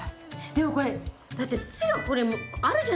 でもこれだって土がこれあるじゃないですか。